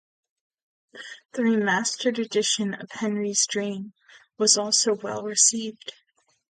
The remastered edition of "Henry's Dream" was also well received.